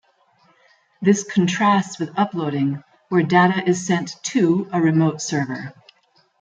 This contrasts with uploading, where data is sent "to" a remote server.